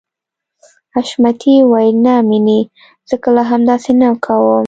حشمتي وويل نه مينې زه کله هم داسې نه کوم.